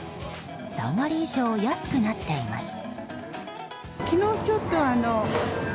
３割以上安くなっています。